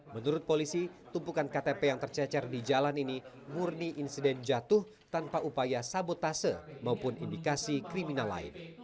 menurut polisi tumpukan ktp yang tercecer di jalan ini murni insiden jatuh tanpa upaya sabotase maupun indikasi kriminal lain